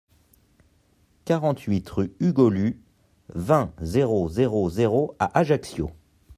quarante-huit rue U Golu, vingt, zéro zéro zéro à Ajaccio